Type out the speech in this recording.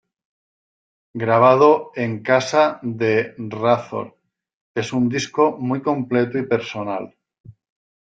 Grabado en casa de Razor, es un disco muy completo y personal.